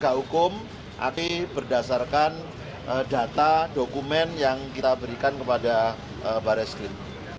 tidak hukum tapi berdasarkan data dokumen yang kita berikan kepada baris krim